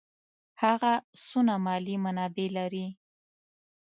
هغه څونه مالي منابع لري.